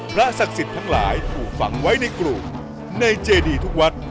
ศักดิ์สิทธิ์ทั้งหลายถูกฝังไว้ในกลุ่มในเจดีทุกวัด